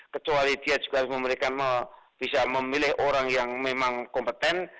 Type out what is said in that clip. kecuali dia juga harus bisa memilih orang yang memang kompeten